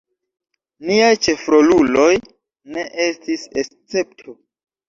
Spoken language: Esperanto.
Niaj ĉefroluloj ne estis escepto.